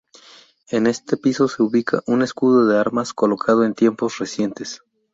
En este piso se ubica un escudo de armas colocado en tiempos recientes.